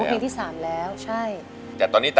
อินโทรเพลงที่๓มูลค่า๔๐๐๐๐บาทมาเลยครับ